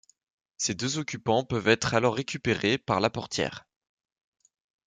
Ses deux occupants peuvent être alors récupérés par la portière.